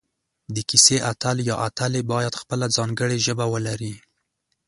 د کیسې اتل یا اتلې باید خپله ځانګړي ژبه ولري